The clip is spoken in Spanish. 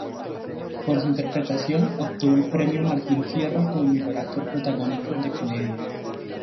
Por su interpretación, obtuvo el premio Martín Fierro como mejor actor protagónico de comedia.